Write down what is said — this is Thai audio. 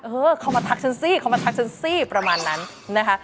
เออเขามาทักฉันสิเขามาทักฉันสิประมาณนั้นนะคะ